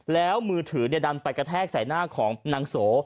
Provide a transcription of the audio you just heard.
แล้วมือถือดันไปกระแทกใส่หน้าของนางโส